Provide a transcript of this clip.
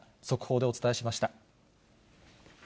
速報でお伝えしました。